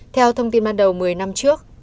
theo thông tin ban đầu một mươi năm trước